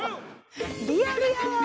リアルやわ。